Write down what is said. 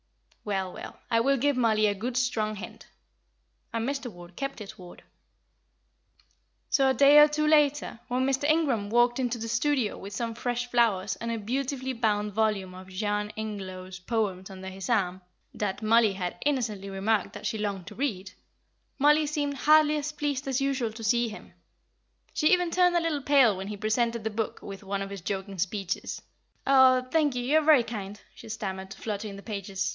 Well, well, I will give Mollie a good strong hint." And Mr. Ward kept his word. So a day or two later, when Mr. Ingram walked into the studio with some fresh flowers and a beautifully bound volume of Jean Ingelow's poems under his arm, that Mollie had innocently remarked that she longed to read, Mollie seemed hardly as pleased as usual to see him; she even turned a little pale when he presented the book with one of his joking speeches. "Oh, thank you; you are very kind," she stammered, fluttering the pages.